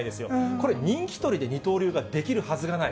これ、人気取りで二刀流ができるはずがない。